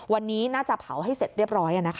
วันนี้น่าจะเผาให้เสร็จเรียบร้อย